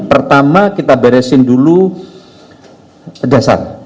pertama kita beresin dulu pedasan